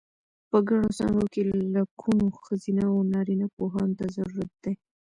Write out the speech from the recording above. په ګڼو څانګو کې لکونو ښځینه و نارینه پوهانو ته ضرورت دی.